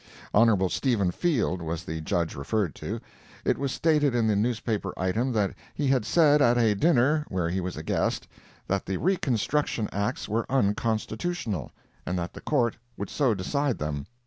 Hon. Stephen Field was the Judge referred to. It was stated in the newspaper item that he had said at a dinner where he was a guest, that the Reconstruction acts were unconstitutional, and that the Court would so decide them.